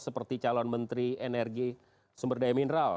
seperti calon menteri energi sumberdaya mineral